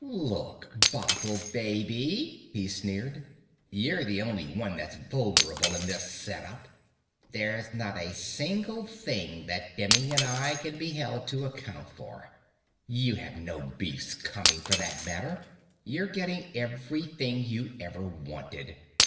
"Look, bottle baby," he sneered, "you're the only one that's vulnerable in this set up. There's not a single thing that Demming and I can be held to account for. You have no beefs coming, for that matter. You're getting everything you ever wanted.